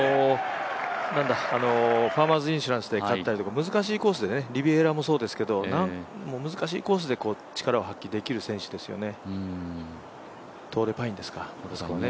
ファーマーズ・インシュランスで勝ったり、難しいコースで、リビエラもそうですけど難しいコースで力を発揮できる選手ですよね。